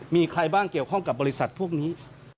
มีใครบ้างเกี่ยวข้องกับบริษัทพวกนี้